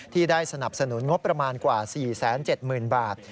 ที่ได้สนับสนุนงบประมาณกว่า๔๗๐๐๐บาท